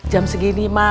jam segini ma